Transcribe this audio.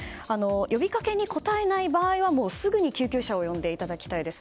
呼びかけに応えない場合はすぐに救急車を呼んでいただきたいです。